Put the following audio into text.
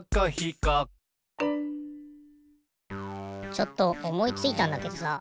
ちょっとおもいついたんだけどさ